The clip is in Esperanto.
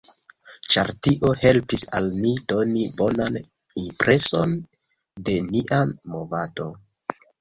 Ĉar tio helpis al ni doni bonan impreson de nia movado.